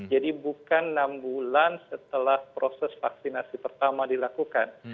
jadi bukan enam bulan setelah proses vaksinasi pertama dilakukan